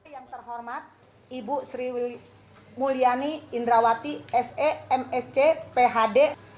yang terhormat ibu sri mulyani indrawati semsc phd